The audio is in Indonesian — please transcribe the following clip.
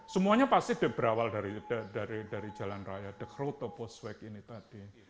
semuanya pasti berawal dari jalan raya the chroto postweg ini tadi